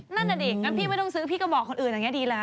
นั่นน่ะดิงั้นพี่ไม่ต้องซื้อพี่ก็บอกคนอื่นอย่างนี้ดีแล้ว